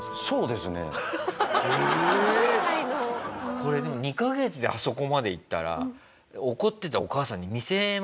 これ２カ月であそこまでいったら怒ってたお母さんに見せません？